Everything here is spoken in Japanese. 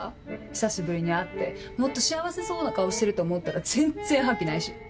久しぶりに会ってもっと幸せそうな顔してると思ったら全然覇気ないし。